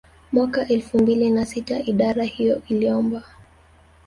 Mwaka elfu mbili na sita idara hiyo iliomba